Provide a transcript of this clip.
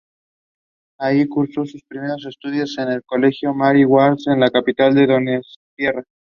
Allí cursó sus primeros estudios en el Colegio Mary Ward de la capital donostiarra.